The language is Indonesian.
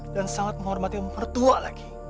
dan sangat menghormati pemerintah lagi